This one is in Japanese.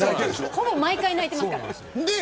ほぼ毎回泣いてますから。